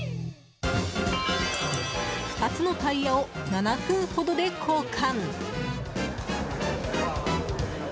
２つのタイヤを７分ほどで交換。